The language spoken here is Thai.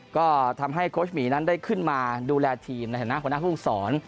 ก็ทำให้โค้ชหมีนั้นได้ขึ้นมาดูแลทีมในฐานะหัวหน้าภูมิสอน